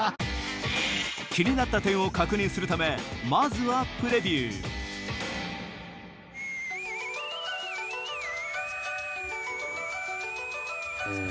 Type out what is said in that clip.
気になった点を確認するためまずはうん。